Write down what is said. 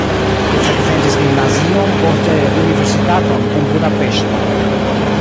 Li frekventis gimnazion, poste universitaton en Budapeŝto.